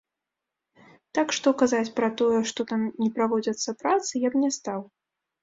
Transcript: Так што, казаць пра тое, што там не праводзяцца працы, я б не стаў.